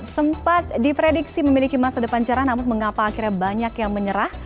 sempat diprediksi memiliki masa depan cerah namun mengapa akhirnya banyak yang menyerah